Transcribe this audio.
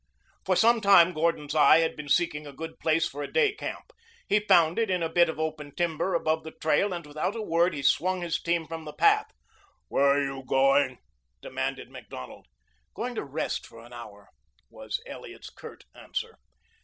For some time Gordon's eye had been seeking a good place for a day camp. He found it in a bit of open timber above the trail, and without a word he swung his team from the path. "Where are you going?" demanded Macdonald. "Going to rest for an hour," was Elliot's curt answer.